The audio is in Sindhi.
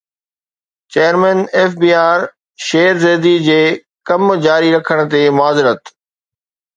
chairman F B R Shabbar Zaidi جي ڪم جاري رکڻ تي معذرت